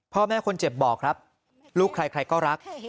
พ่อแม่คนเจ็บบอกครับลูกใครใครก็รัก